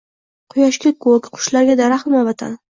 Quyoshga koʼk, qushlarga daraxtmi Vatan?